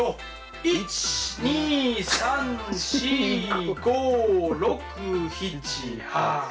１２３４５６７８。